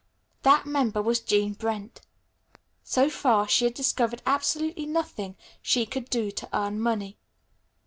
That member was Jean Brent. So far she had discovered absolutely nothing she could do to earn money.